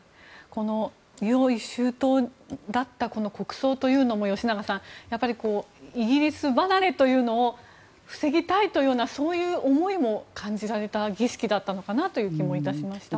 用意周到だった国葬というのも吉永さん、やっぱりイギリス離れというのを防ぎたいというそういう思いも感じられた儀式だったのかなという気もいたしました。